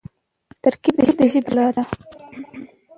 ترکیب د ژبي ښکلا ده.